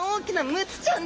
ムツちゃん。